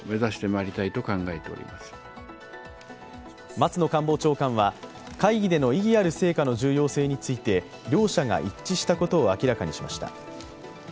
松野官房長官は会議での意義ある成果の重要性について両者が一致したことを明らかにしました。